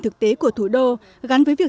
thực tế của thủ đô gắn với việc